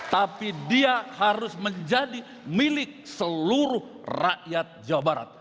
tapi dia harus menjadi milik seluruh rakyat jawa barat